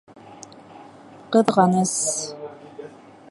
Ҡыҙғаныс!